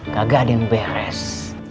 kagak ada yang beres